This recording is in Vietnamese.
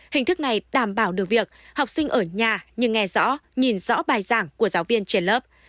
hình thức này đảm bảo được việc học sinh ở nhà nhưng nghe rõ nhìn rõ bài giảng của giáo viên trên lớp